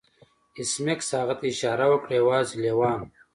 ایس میکس هغه ته اشاره وکړه یوازې لیوان